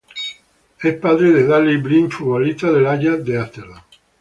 Es padre de Daley Blind, futbolista del Ajax de Amsterdam.